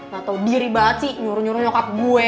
gak tau diri banget sih nyuruh nyuruh nyokap gue